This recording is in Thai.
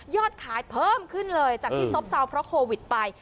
ขายเพิ่มขึ้นเลยจากที่ซบเซาเพราะโควิดไป